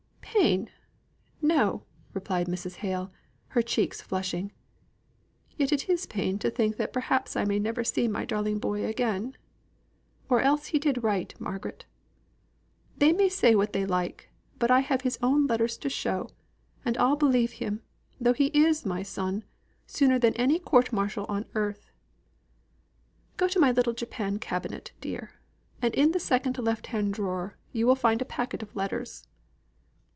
"Pain! No," replied Mrs. Hale, her cheek flushing. "Yet it is pain to think that perhaps I may never see my darling boy again. Or else he did right, Margaret. They may say what they like, but I have his own letters to show, and I'll believe him, though he is my son, sooner than any court martial on earth. Go to my little japan cabinet, dear, and in the second left hand drawer you will find a packet of letters."